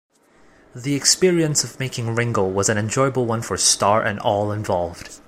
The experience of making "Ringo" was an enjoyable one for Starr and all involved.